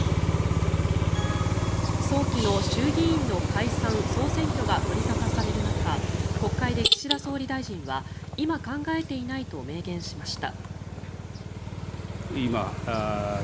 早期の衆議院の解散・総選挙が取り沙汰される中国会で岸田総理大臣は今、考えていないと明言しました。